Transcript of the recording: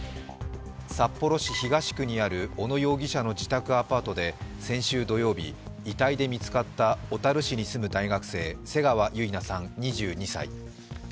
札幌市東区にある小野容疑者の自宅アパートで先週土曜日、遺体で見つかった小樽市に住む大学生、瀬川結菜さん２２歳。